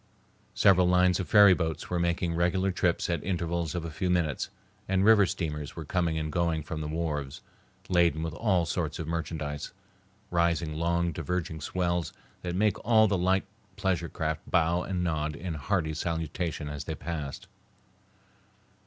Several lines of ferry boats were making regular trips at intervals of a few minutes, and river steamers were coming and going from the wharves, laden with all sorts of merchandise, raising long diverging swells that make all the light pleasure craft bow and nod in hearty salutation as they passed.